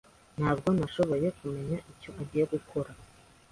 Ntabwo nashoboye kumenya icyo agiye gukora.